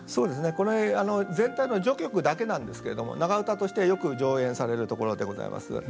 これ全体の序曲だけなんですけれども長唄としてはよく上演されるところでございます。